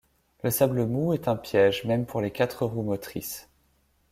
Le sable mou est un piège même pour les quatre roues motrices.